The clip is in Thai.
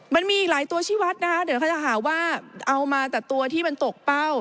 มันมีอีกหลายตัวชีวัตรนะคะเดี๋ยวเขาจะหาว่าเอามาแต่ตัวที่มันตกเป้า